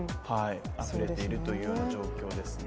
あふれているというような状況ですね。